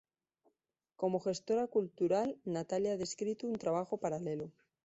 Como gestora cultural Natalia ha descrito un trabajo paralelo.